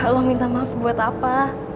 kalau minta maaf buat apa